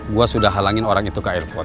gue sudah halangin orang itu ke airport